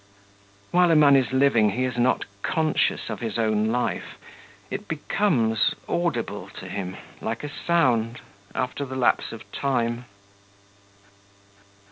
While a man is living he is not conscious of his own life; it becomes audible to him, like a sound, after the lapse of time.